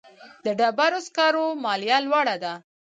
د ډبرو سکرو مالیه لوړه ده